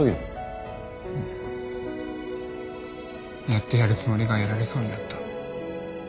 やってやるつもりがやられそうになった。